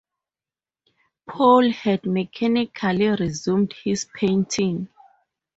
Paul had mechanically resumed his painting.